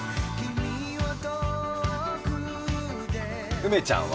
梅ちゃんは？